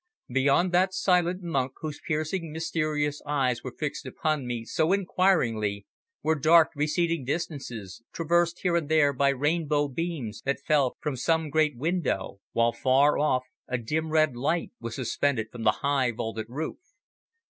Beyond that silent monk whose piercing mysterious eyes were fixed upon me so inquiringly were dark receding distances, traversed here and there by rainbow beams that fell from some great window, while far off a dim red light was suspended from the high, vaulted roof.